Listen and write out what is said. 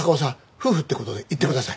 夫婦って事で行ってください。